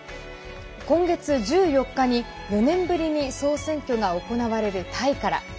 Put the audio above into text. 今月１４日に、４年ぶりに総選挙が行われるタイから。